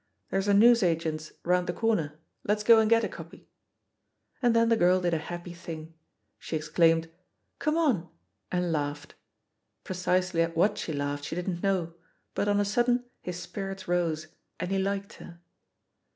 "There's a newsagent's round the corner — diet's go and get a copy." And then the girl did a happy thing — she ex claimed "Come on," and laughed. Precisely at what she laughed she didn't know, hut on a sud den his spirits rose, and he liked her.